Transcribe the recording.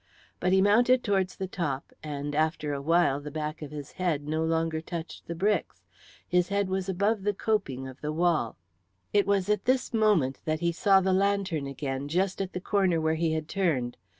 But he mounted towards the top, and after a while the back of his head no longer touched the bricks. His head was above the coping of the wall. It was at this moment that he saw the lantern again, just at the corner where he had turned.